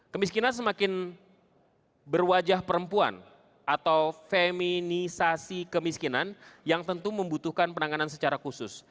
kemiskinan semakin berwajah perempuan atau feminisasi kemiskinan yang tentu membutuhkan penanganan secara khusus